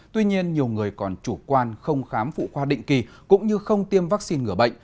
tuy nhiên nhiều người còn chủ quan không khám phụ khoa định kỳ cũng như không tiêm vaccine ngừa bệnh